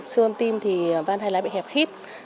xương tim thì van hai lá bị hẹp khít